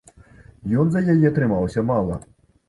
Ён за яе трымаўся мала.